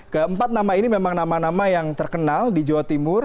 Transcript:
keempat nama ini memang nama nama yang terkenal di jawa timur